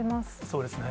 そうですね。